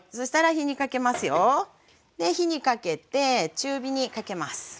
火にかけて中火にかけます。